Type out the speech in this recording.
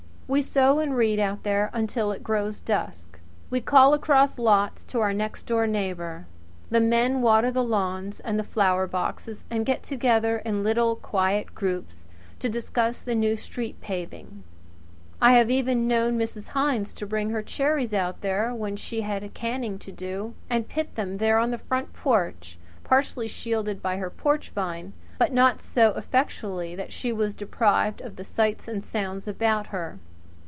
We sew and read out there until it grows dusk. We call across lots to our next door neighbour. The men water the lawns and the flower boxes and get together in little quiet groups to discuss the new street paving. I have even known Mrs. Hines to bring her cherries out there when she had canning to do, and pit them there on the front porch partially shielded by her porch vine, but not so effectually that she was deprived of the sights and sounds about her.